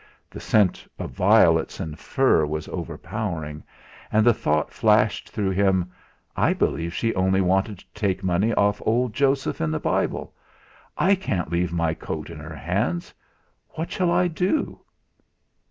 The scent of violets and fur was overpowering, and the thought flashed through him: 'I believe she only wanted to take money off old Joseph in the Bible. I can't leave my coat in her hands! What shall I do?'